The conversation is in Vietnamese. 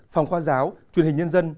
phòng khoa giáo truyền hình nhân dân